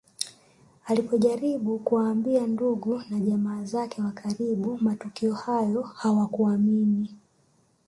Alipojaribu kuwaambia ndugu na jamaa zake wa karibu matukio hayo hawakuamini